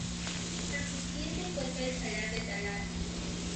A sus pies se encuentra el salar de Talar